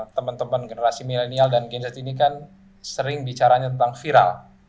teman teman generasi milenial dan gen z ini kan sering bicaranya tentang viral